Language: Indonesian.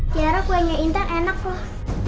tiara kuenya intan enak loh